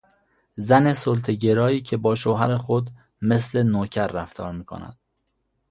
زن سلطهگرایی که با شوهر خود مثل نوکر رفتار میکند